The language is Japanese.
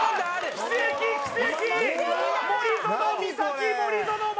奇跡奇跡！